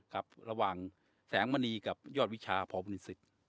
ครับระหว่างแสงมณีกับยอดวิชาพอบุญนิสิต